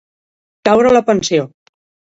Caure la pensió.